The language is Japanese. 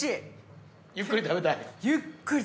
ゆっくり食べたい？